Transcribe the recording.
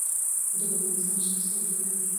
ژبه د انسان شخصیت جوړوي.